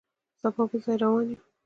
سبا بل ځای روان یو.